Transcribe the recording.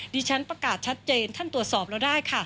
ฉันประกาศชัดเจนท่านตรวจสอบเราได้ค่ะ